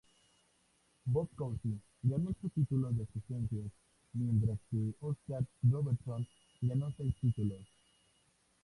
Bob Cousy ganó ocho títulos de asistencias, mientras que Oscar Robertson ganó seis títulos.